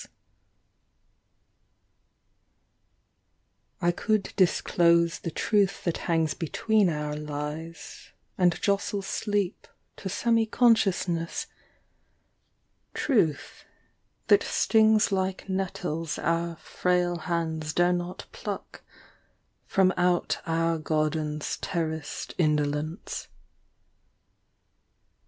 58 Confessional. I could disclose The truth that hangs between our lies And jostles sleep to semi consciousness ; Truth, that stings like nettles Our frail hands dare not pluck From out our garden's terraced indolence.